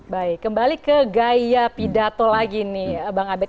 baik kembali ke gaya pidato lagi nih bang abed